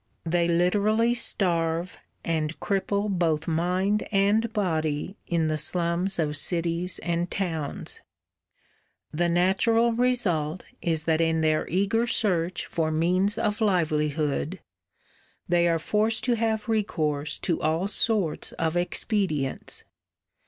They literally starve and cripple both mind and body in the slums of cities and towns. The natural result is that in their eager search for means of livelihood they are forced to have recourse to all sorts of expedients.